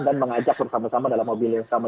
dan mengajak bersama sama dalam mobil yang sama